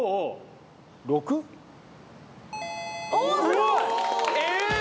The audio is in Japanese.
すごい！えっ！？